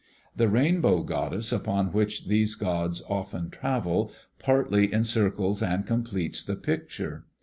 The Rainbow goddess, upon which these gods often travel, partly encircles and completes the picture.